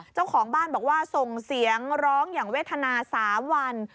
เจ้าของบ้านบอกว่าส่งเสียงร้องอย่างเวทนา๓วัน